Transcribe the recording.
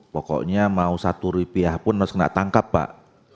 pokoknya mau satu rupiah pun harus kena tangkap pak